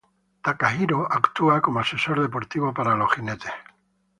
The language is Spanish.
Takahiro actúa como asesor deportivo para los jinetes.